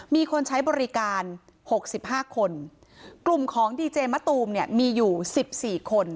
มีคนใช้บริการหกสิบห้าคนกลุ่มของดีเจมะตูมเนี่ยมีอยู่สิบสี่คน